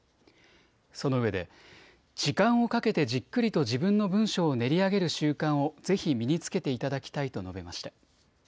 そのうえで時間をかけてじっくりと自分の文章を練り上げる習慣をぜひ身につけていただきたいと述べました。